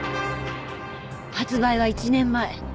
発売は１年前。